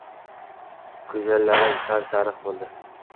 G‘o‘zalarim sal-sariq bo‘ldi.